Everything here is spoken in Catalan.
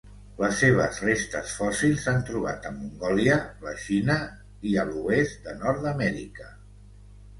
Les seves restes fòssils s'han trobat a Mongòlia, la Xina i a l'oest de Nord-amèrica.